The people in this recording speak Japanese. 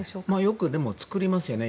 よく作りますよね。